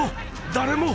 誰も。